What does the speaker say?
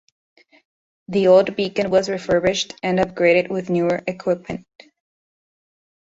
The old beacon was refurbished and upgraded with newer equipment.